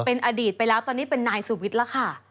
เป็นอดีตไปแล้วตอนนี้เป็นนายสุวิทย์แล้วค่ะ